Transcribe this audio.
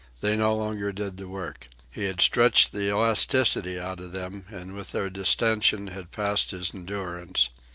They no longer did the work. He had stretched the elasticity out of them, and with their distension had passed his endurance.